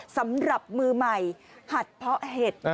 สำหรับมือใหม่หัดเพาะเห็ด